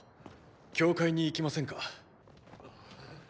教会に行きませんか？